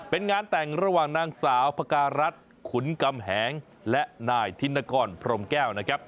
เป็นงานแต่งระหว่างนางสาวพการรัฐขุนกำแหงและนายธินกรพรมแก้วนะครับ